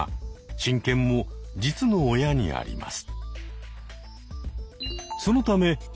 親権も実の親にあります。